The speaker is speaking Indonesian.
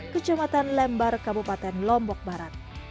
kecamatan lembar kabupaten lombok barat